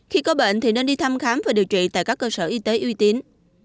khi có bệnh thì nên đi thăm khám và điều trị tại các cơ sở y tế uy tín